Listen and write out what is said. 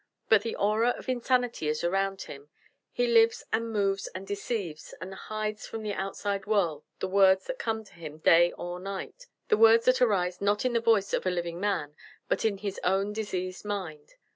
But the aura of insanity is around him; he lives and moves and deceives, and hides from the outside world the words that come to him day or night the words that arise not in the voice of a living man, but in his own diseased mind.